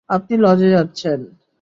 আপনি লজে যাচ্ছেন।